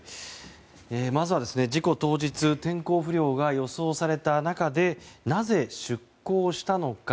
まずは事故当日天候不良が予想された中でなぜ出航したのか。